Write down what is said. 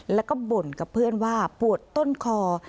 แล้วก็บ่นกับเพื่อนว่าปวดต้นคอ